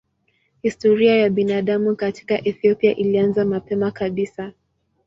Historia ya binadamu katika Ethiopia ilianza mapema kabisa.